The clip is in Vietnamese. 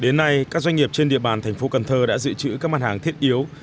đến nay các doanh nghiệp trên địa bàn thành phố cần thơ đã dự trữ các mặt hàng thiết yếu